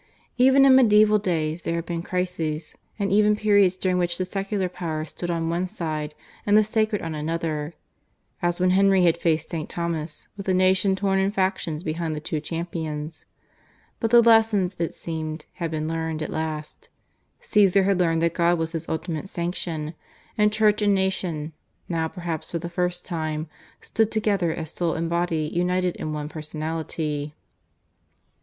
Even in medieval days there had been crises and even periods during which the secular power stood on one side and the sacred on another; as when Henry had faced St. Thomas, with the nation torn in factions behind the two champions. But the lesson, it seemed, had been learned at last; Caesar had learned that God was his ultimate sanction: and Church and nation, now perhaps for the first time, stood together as soul and body united in one personality.